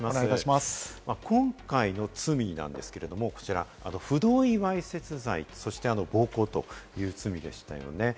今回の罪なんですけれども、不同意わいせつ罪、そして暴行という罪でしたよね。